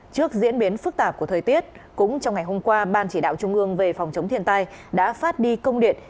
trước diễn biến phức tạp của thời tiết cũng trong ngày hôm qua ban chỉ đạo trung ương về phòng chống thiên tai đã phát đi công điện